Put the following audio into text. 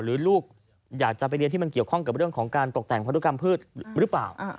ลูกอยากจะไปเรียนที่มันเกี่ยวข้องกับเรื่องของการตกแต่งพันธุกรรมพืชหรือเปล่า